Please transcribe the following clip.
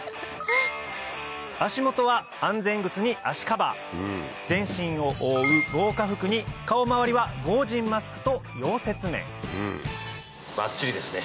足元は安全靴に足カバー全身を覆う防火服に顔回りは防じんマスクと溶接面ばっちりですね。